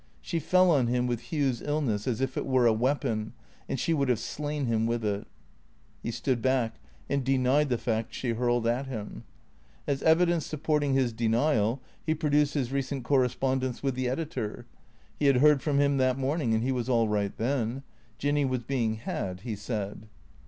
She fell on him with Hugh's illness as if it were a weapon and she would have slain him with it. He stood back and denied the fact she hurled at him. As evidence supporting his denial, he produced his recent corre spondence with the editor. He had heard from him that morn ing, and he was all right then. Jinny was being "had," he said.